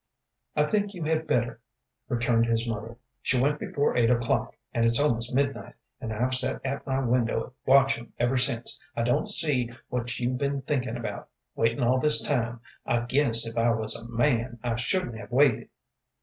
"I think you had better," returned his mother. "She went before eight o'clock, and it's most midnight, and I've set at my window watchin' ever since. I don't see what you've been thinkin' about, waitin' all this time. I guess if I was a man I shouldn't have waited."